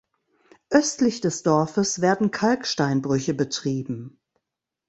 Östlich des Dorfes werden Kalksteinbrüche betrieben.